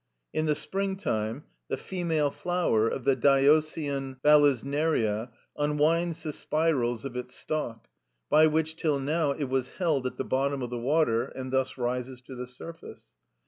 In the spring time the female flower of the diœcian valisneria unwinds the spirals of its stalk, by which till now it was held at the bottom of the water, and thus rises to the surface.